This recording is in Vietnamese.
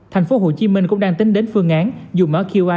thành phố hồ chí minh cũng đang tính đến phương án dùng mở qa